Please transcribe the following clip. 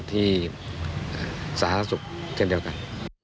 สาธารณสุขเช่นเดียวกัน